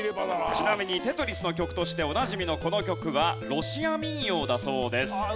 ちなみに『テトリス』の曲としておなじみのこの曲はロシア民謡だそうです。